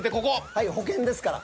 はい保険ですから。